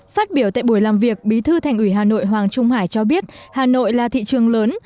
phát biểu tại buổi làm việc bí thư thành ủy hà nội hoàng trung hải cho biết hà nội là thị trường lớn